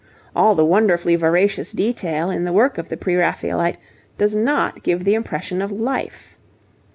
All the wonderfully veracious detail in the work of the Pre Raphaelite does not give the impression of life.